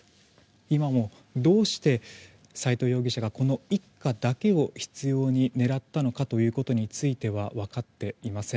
今もどうして斎藤容疑者がこの一家だけを執拗に狙ったのかについては分かっていません。